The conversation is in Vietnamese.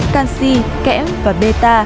canxi kém và beta